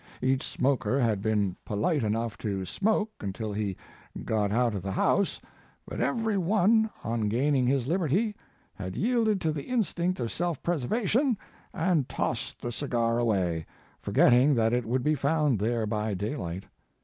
Each smoker had been polite enough to smoke until he got out of the house, but every one on gaining his liberty had yielded to the instinct of self preservation and tossed the cigar away, forgetting that it would be found there by daylight.